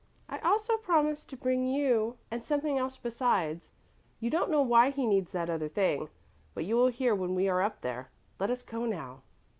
I also promised to bring you and something else besides. You don't know why he needs that other thing, but you will hear when we are up there. Let us go now."